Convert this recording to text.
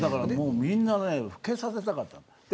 みんな、老けさせたかった。